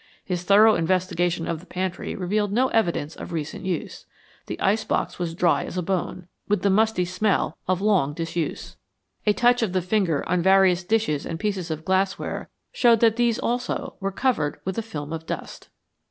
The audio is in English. His thorough investigation of the pantry revealed no evidence of recent use. The ice box was dry as a bone, with the musty smell of long disuse. A touch of the finger on various dishes and pieces of glassware showed that these also were covered with a film of dust.